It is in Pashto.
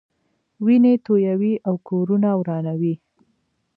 وینې تویوي او کورونه ورانوي.